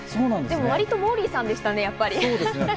割とモーリーさんでしたね、やっぱり。